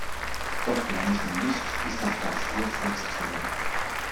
Doch gelang es ihm nicht, bis nach Darfur vorzudringen.